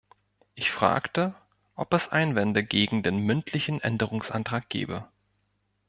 Ich fragte, ob es Einwände gegen den mündlichen Änderungsantrag gebe.